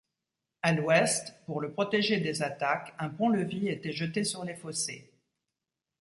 À l'ouest, pour le protéger des attaques, un pont-levis était jeté sur les fossés.